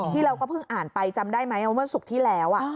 ที่เราก็พึ่งอ่านไปจำได้ไหมมันสุดที่แล้ว